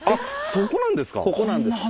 ここなんです。